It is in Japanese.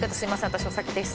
私お先です。